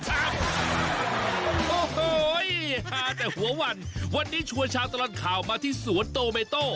โอ้โหหาแต่หัววันวันนี้ชวนชาวตลอดข่าวมาที่สวนโตเมโต้